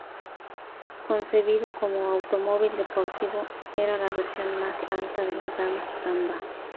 Concebido como automóvil deportivo, era la versión más alta de la gama Samba.